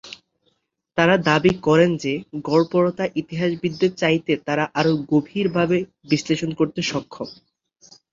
তারা দাবি করেন যে গড়পড়তা ইতিহাসবিদদের চাইতে তারা আরো গভীরভাবে বিশ্লেষণ করতে সক্ষম।